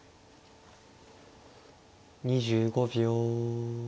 ２５秒。